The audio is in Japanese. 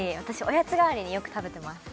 おやつがわりによく食べてます